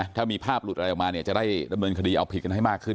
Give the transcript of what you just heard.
ถ้ามีภาพหลุดอะไรออกมาเนี่ยจะได้ดำเนินคดีเอาผิดกันให้มากขึ้น